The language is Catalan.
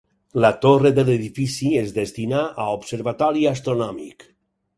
La torre de l'edifici es destinà a observatori astronòmic.